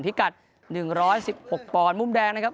พิกัส๑๑๖พรมุมแดงนะครับ